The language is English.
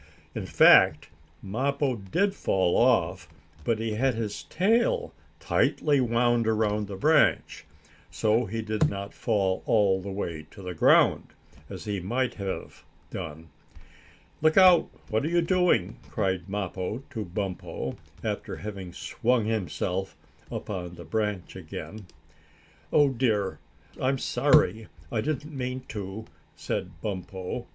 In fact, Mappo did fall off, but he had his tail tightly wound around the branch, so he did not fall all the way to the ground, as he might have done. "Look out! What are you doing?" cried Mappo to Bumpo, after having swung himself up on the branch again. "Oh dear! I'm sorry. I didn't mean to," said Bumpo.